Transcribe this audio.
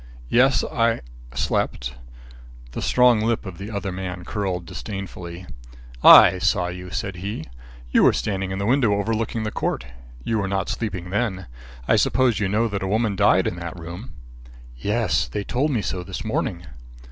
"Yes, I slept." The strong lip of the other man curled disdainfully. "I saw you," said he. "You were standing in the window overlooking the court. You were not sleeping then. I suppose you know that a woman died in that room?" "Yes; they told me so this morning."